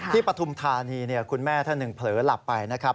ปฐุมธานีคุณแม่ท่านหนึ่งเผลอหลับไปนะครับ